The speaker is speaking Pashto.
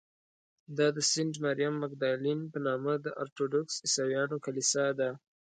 دا د سینټ مریم مګدالین په نامه د ارټوډکس عیسویانو کلیسا ده.